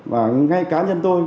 và ngay cá nhân tôi